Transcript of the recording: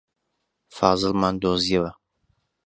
فازڵمان دۆزییەوە.